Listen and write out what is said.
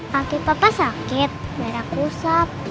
pakai papa sakit darahku sapi